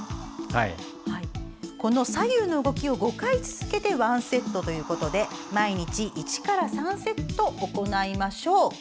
この左右の動きを５回続けて１セットということで毎日、１から３セット行いましょう。